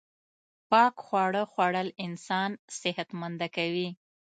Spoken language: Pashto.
پاک خواړه خوړل انسان صحت منده کوی